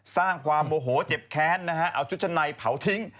สร้างความโมโหเจ็บแค้นนะฮะเอาชุดชั้นในเผาทิ้ง